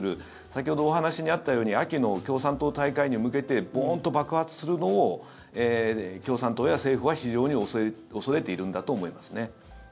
先ほどお話にあったように秋の共産党大会に向けてボーンと爆発するのを共産党や政府は非常に恐れているんだと思いますね。